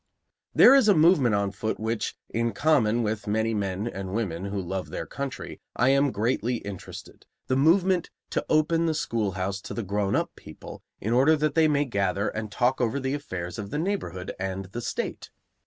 There is a movement on foot in which, in common with many men and women who love their country, I am greatly interested, the movement to open the schoolhouse to the grown up people in order that they may gather and talk over the affairs of the neighborhood and the state.